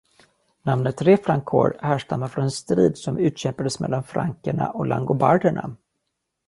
Namnet Refrancore härstammar från en strid som utkämpades mellan frankerna och langobarderna.